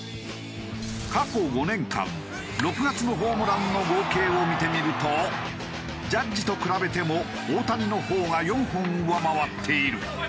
過去５年間６月のホームランの合計を見てみるとジャッジと比べても大谷のほうが４本上回っている。